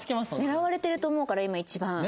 狙われてると思うから今一番。